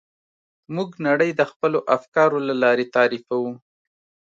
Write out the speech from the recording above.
موږ نړۍ د خپلو افکارو له لارې تعریفوو.